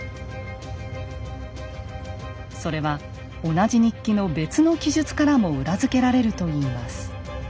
それは同じ日記の別の記述からも裏付けられるといいます。